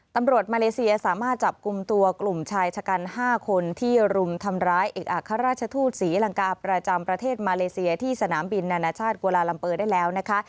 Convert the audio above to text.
ตำรวจมาเลเซียสามารถจับกลุ่มตัวกลุ่มชายชะกัน๕คนที่รุมทำร้ายเอกอัครราชทูตศรีลังกาประจำประเทศมาเลเซียที่สนามบินนานาชาติกุลาลัมเปอร์ได้แล้วนะคะ